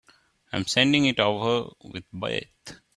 I'm sending it over with Beth.